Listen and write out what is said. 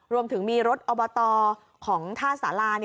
รวมถึงมีรถอบตของท่าสารา